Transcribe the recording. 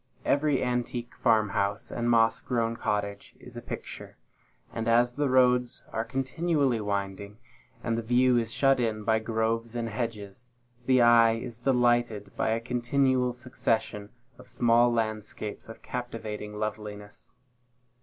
Every antique farm house and moss grown cottage is a picture; and as the roads are continually winding, and the view is shut in by groves and hedges, the eye is delighted by a continual succession of small landscapes of captivating loveliness.